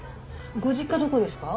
ご実家どこですか？